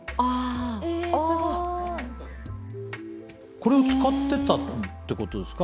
これを使ってたってことですか？